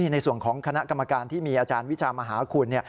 ในส่วนของคณะกรรมการที่มีอาจารย์วิชามหาคุณ